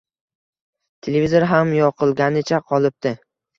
Televizor ham yoqilganicha qolibdi